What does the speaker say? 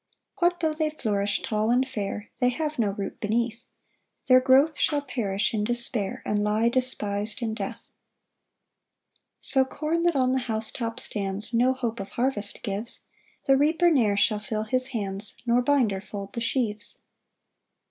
7 [What tho' they flourish tall and fair, They have no root beneath; Their growth shall perish in despair, And lie despis'd in death.] 8 [So corn that on the house top stands No hope of harvest gives; The reaper ne'er shall fill his hands, Nor binder fold the sheaves.